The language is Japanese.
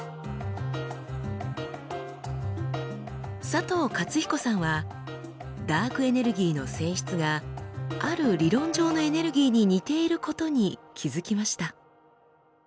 佐藤勝彦さんはダークエネルギーの性質がある理論上のエネルギーに似ていることに気付きました。